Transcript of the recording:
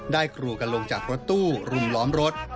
กรูกันลงจากรถตู้รุมล้อมรถ